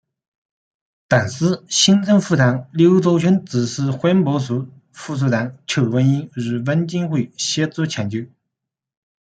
当时行政院长刘兆玄指示环保署副署长邱文彦与文建会协助抢救。